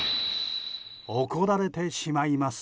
怒られてしまいます。